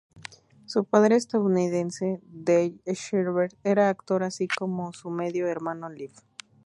Su padre, estadounidense, Tell Schreiber, era actor, así como su medio hermano Liev.